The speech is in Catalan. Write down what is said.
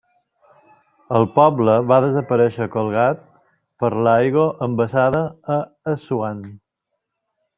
El poble va desaparèixer colgat per l'aigua embassada a Assuan.